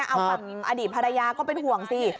เอาฝั่งอดีตภรรยาก็เป็นห่วงสิ